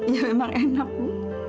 ya memang enak bu